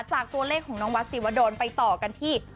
จากตัวเลขของน้องวัดศิวดลไปต่อกันที่